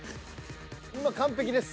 今完璧です。